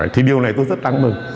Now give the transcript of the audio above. thì điều này tôi rất đáng mừng